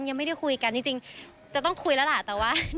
ยังไม่ได้คุยกันจริงจะต้องคุยแล้วล่ะแต่ว่า